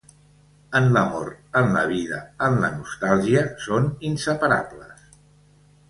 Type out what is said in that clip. En l'amor, en la vida, en la nostàlgia, són inseparables.